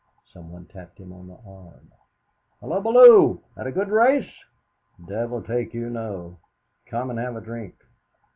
Someone tapped him on the arm. "Hallo, Bellew! had a good race?" "Devil take you, no! Come and have a drink?"